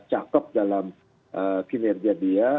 cakep dalam kinerja dia